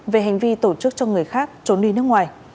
về hành vi tổ chức cho người khác trốn đi nước ngoài